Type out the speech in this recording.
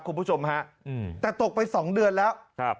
คุณผู้ชมฮะอืมแต่ตกไปสองเดือนแล้วครับ